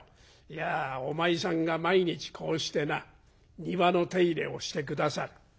「いやお前さんが毎日こうしてな庭の手入れをして下さる。